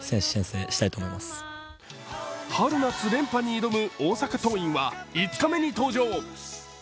春夏連覇に挑む大阪桐蔭は５日目に登場。